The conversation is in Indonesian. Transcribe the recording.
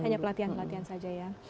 hanya pelatihan pelatihan saja ya